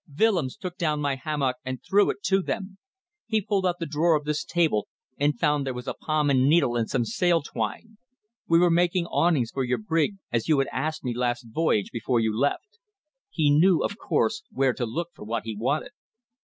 Willems took down my hammock and threw it to them. He pulled out the drawer of this table, and found there a palm and needle and some sail twine. We were making awnings for your brig, as you had asked me last voyage before you left. He knew, of course, where to look for what he wanted.